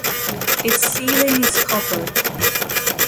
Its ceiling is coffered.